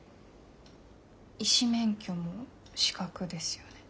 医師免許も資格ですよね。